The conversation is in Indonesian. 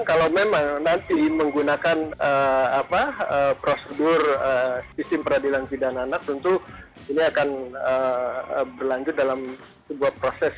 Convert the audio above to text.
kalau memang nanti menggunakan prosedur sistem peradilan pidana anak tentu ini akan berlanjut dalam sebuah proses